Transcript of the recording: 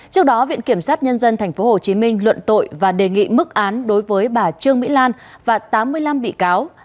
trước đó viện kiểm sát nhân dân tp hcm luận tội và đề nghị mức án đối với bà trương mỹ lan và tám mươi năm bị cáo